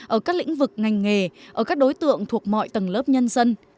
ở các lĩnh vực ngành nghề ở các đối tượng thuộc mọi tầng lớp nhân dân